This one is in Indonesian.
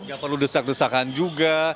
gak perlu desak desakan juga